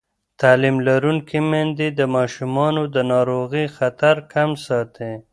تعلیم لرونکې میندې د ماشومانو د ناروغۍ خطر کم ساتي.